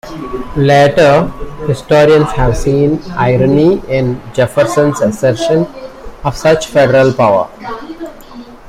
Later historians have seen irony in Jefferson's assertion of such federal power.